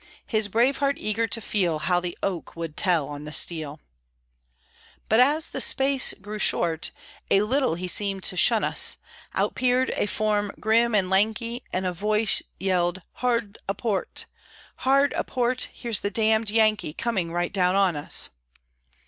His brave heart eager to feel How the oak would tell on the steel! But, as the space grew short, A little he seemed to shun us; Out peered a form grim and lanky, And a voice yelled, "_Hard a port! Hard a port! here's the damned Yankee Coming right down on us!